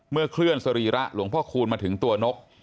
เคลื่อนสรีระหลวงพ่อคูณมาถึงตัวนก